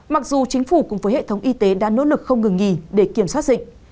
mặc dù chính phủ cùng với hệ thống y tế đã nỗ lực không ngừng nghỉ để kiểm soát dịch